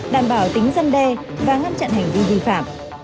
đảm bảo tính dân đe và ngăn chặn hành vi vi phạm